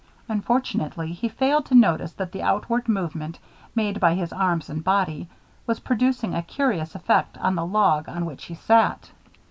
Unfortunately, he failed to notice that the outward movement made by his arms and body was producing a curious effect on the log on which he sat.